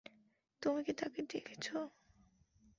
তুমি কি তাকে দেখেছ?